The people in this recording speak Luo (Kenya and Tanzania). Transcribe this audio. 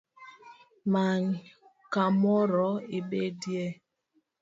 Many kamoro ibedie